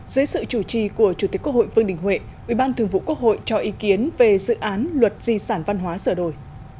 dưới sự chủ trì của chủ tịch quốc hội vương đình huệ ủy ban thường vụ quốc hội cho ý kiến về dự án luật di sản văn hóa sửa đổi